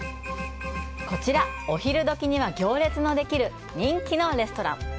こちら、お昼どきには行列のできる人気のレストラン。